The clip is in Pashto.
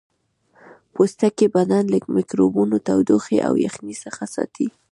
پوستکی بدن له میکروبونو تودوخې او یخنۍ څخه ساتي